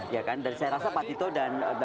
ya kan dan saya rasa pak tito dan